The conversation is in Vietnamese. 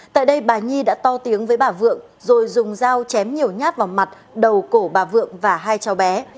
tại đây bà nhi đã to tiếng với bà vượng rồi dùng dao chém nhiều nhát vào mặt đầu cổ bà vượng và hai cháu bé